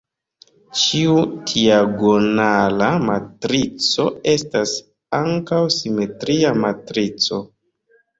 Ĉiu diagonala matrico estas ankaŭ simetria matrico.